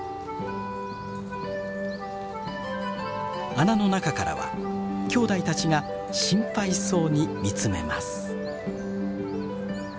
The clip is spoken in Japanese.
穴の中からはきょうだいたちが心配そうに見つめます。